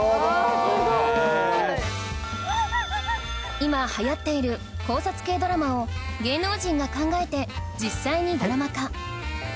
今流行っている考察系ドラマを芸能人が考えて実際にドラマ化